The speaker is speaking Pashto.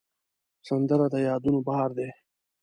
سندره د یادونو بار دی